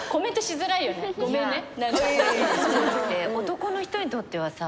男の人にとってはさ。